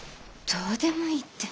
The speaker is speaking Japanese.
どうでもいいって。